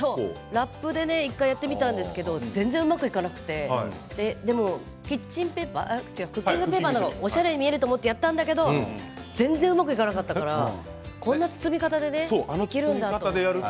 ラップで１回やってみたんですけれど全然うまくいかなくてでもクッキングペーパーの方がおしゃれに見えると思ってやったんだけれども全然うまくいかなかったからこんな包み方でできるんだって。